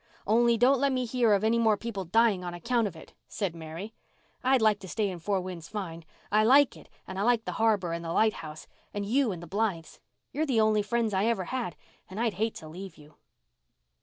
Only don't let me hear of any more people dying on account of it," said Mary. "I'd like to stay in Four Winds fine. I like it and I like the harbour and the light house—and you and the Blythes. You're the only friends I ever had and I'd hate to leave you."